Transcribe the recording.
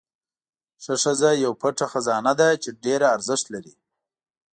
ښه ښځه یو پټ خزانه ده چې ډېره ارزښت لري.